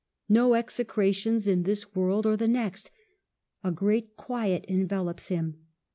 No execrations in this world or the next ; a great quiet envelops him.